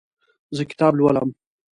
زه کتاب لولم.